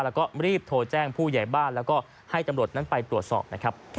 แล้วก็รีบโทรแจ้งผู้ใหญ่บ้านแล้วก็ให้ตำรวจนั้นไปตรวจสอบนะครับ